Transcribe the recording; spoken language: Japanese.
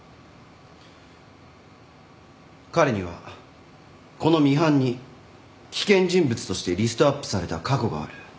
彼にはこのミハンに危険人物としてリストアップされた過去がある。